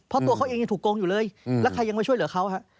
เพราะตัวเขาเองยังถูกโกงอยู่เลยแล้วใครยังมาช่วยเหลือเขาฮะ